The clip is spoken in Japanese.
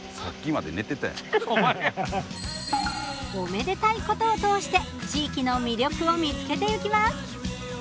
おめでたいことを通して地域の魅力を見つけていきます。